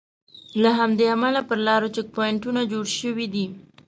له همدې امله پر لارو چیک پواینټونه جوړ شوي دي.